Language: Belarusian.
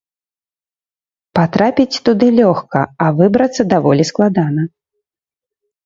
Патрапіць туды лёгка, а выбрацца даволі складана.